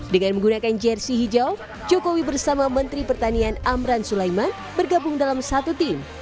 dengan menggunakan jersi hijau jokowi bersama menteri pertanian amran sulaiman bergabung dalam satu tim